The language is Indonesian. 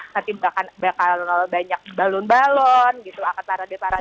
nanti bakal banyak balon balon gitu akan parade paralon